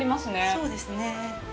そうですね。